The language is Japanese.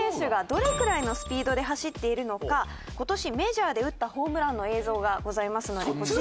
「どれくらいのスピードで走っているのか今年メジャーで打ったホームランの映像がございますのでこちらを」